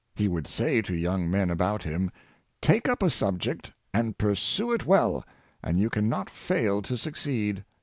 He would say to young men about him, " Take up a subject and pursue it well, and you can not fail to succeed."